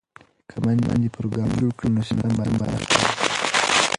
که میندې پروګرامونه جوړ کړي نو سیسټم به نه خرابیږي.